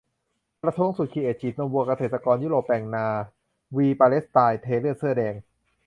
ประท้วงสุด 'ครีเอท' : ฉีดนมวัว-เกษตรกรยุโรป แต่งนา'วี-ปาเลสไตน์ เทเลือด-เสื้อแดง